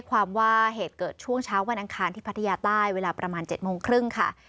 ความว่าเหตุเกิดช่วงเช้าวันอังคารที่พัทยาใต้เวลาประมาณ๗โมงครึ่งค่ะ